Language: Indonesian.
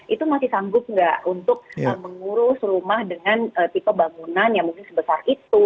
itu masih sanggup nggak untuk mengurus rumah dengan tipe bangunan yang mungkin sebesar itu